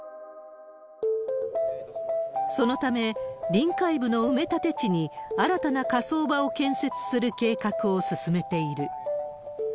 そのため、臨海部の埋め立て地に新たな火葬場を建設する計画を進めている。